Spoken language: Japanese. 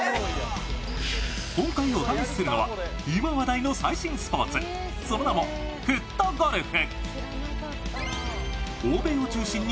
今回お試しするのは、今話題の最新スポーツ、その名もフットゴルフ。